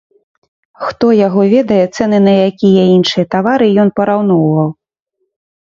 Хто яго ведае, цэны на якія іншыя тавары ён параўноўваў?